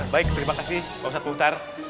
baik terima kasih pak ustadz muhtar